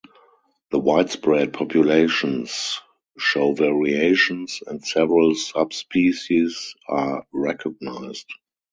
The widespread populations show variations and several subspecies are recognized.